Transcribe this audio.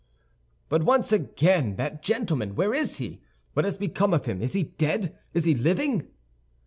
"But once again, that gentleman—where is he? What has become of him? Is he dead? Is he living?"